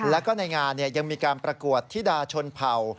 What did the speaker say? แล้วก็ในงานยังมีการประกวดธิดาชนเผ่า